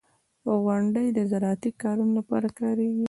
• غونډۍ د زراعتي کارونو لپاره کارېږي.